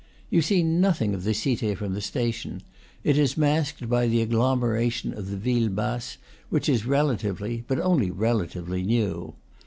You see nothing of the Cite from the station; it is masked by the agglomeration of the ville basse, which is relatively (but only relatively) new.